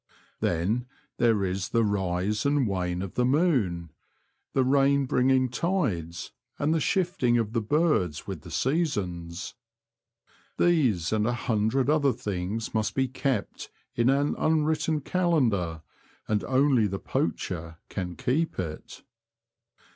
Then there is the rise and wane of the moon, the rain bringing tides, and the shifting of the birds with the seasons. These and a hundred other things must be kept in an unwritten calendar, and only the poacher can keep it.